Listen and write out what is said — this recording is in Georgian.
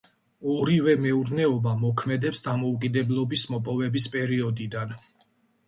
ორივე მეურნეობა მოქმედებს დამოუკიდებლობის მოპოვების პერიოდიდან.